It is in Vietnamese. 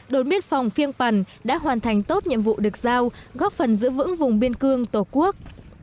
đồn biên phòng phiêng pàn đã hoàn thành tốt nhiệm vụ được giao góp phần giữ vững vùng biên cương tổ quốc